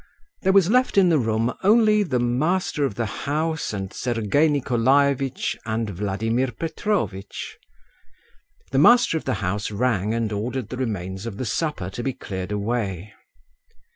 There was left in the room only the master of the house and Sergei Nikolaevitch and Vladimir Petrovitch. The master of the house rang and ordered the remains of the supper to be cleared away.